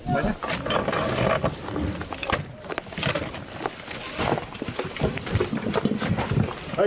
พี่เช็คไปนะ